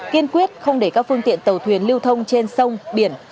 kiên quyết không để các phương tiện tàu thuyền lưu thông trên sông biển